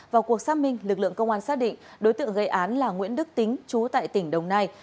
vào cuộc xác minh lực lượng công an xác định đối tượng gây án là nguyễn đức tính chú tại tỉnh đồng nai